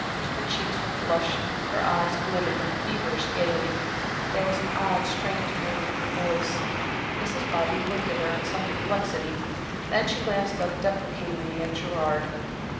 Her cheeks were flushed, her eyes glittered with feverish gaiety, there was an odd, strained note in her voice. Mrs. Bobby looked at her in some perplexity, then she glanced up deprecatingly at Gerard.